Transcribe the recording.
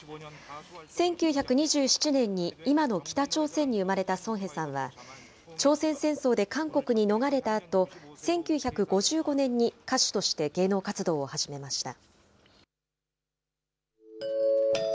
１９２７年に今の北朝鮮に生まれたソン・ヘさんは、朝鮮戦争で韓国に逃れたあと、１９５５年に歌手として芸能活動を始めました。